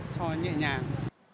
cho nhẹ nhàng